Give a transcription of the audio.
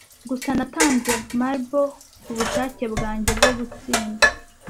gusa natanze marble kubushake bwanjye bwo gutsinda